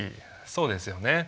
そうですよね。